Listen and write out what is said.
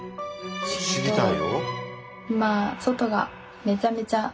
知りたいよ。